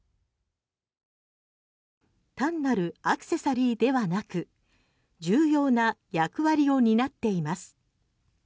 単なるアクセサリーではなく重要な役割を担っています。